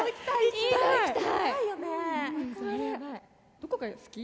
どこが好き？